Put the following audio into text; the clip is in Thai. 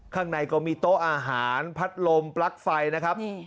ข้างในก็มีโต๊ะอาหารพัดลมปลั๊กไฟนะครับ